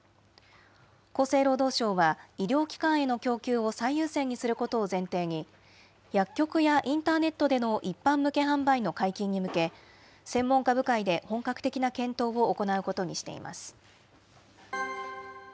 厚生労働省は医療機関への供給を最優先にすることを前提に、薬局やインターネットでの一般向け販売の解禁に向け、専門家部会で本格的な検討を行うことにしています。